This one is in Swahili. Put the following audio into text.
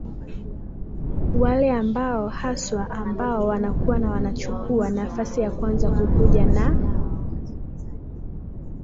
wale ambao haswa ambao wanakuwa na wanachukuwa nafasi ya kwanza kukuja naa